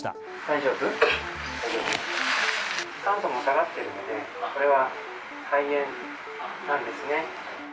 酸素も下がっているので、これは肺炎なんですね。